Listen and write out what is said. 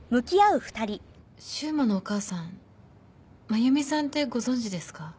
柊磨のお母さん真弓さんってご存じですか？